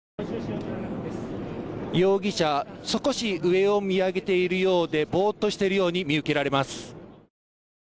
容疑者、少し上を見上げているようで、ぼーっとしているように見受けられます。